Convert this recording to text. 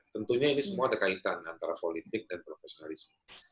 tentunya ini semua ada kaitan antara politik dan profesionalisme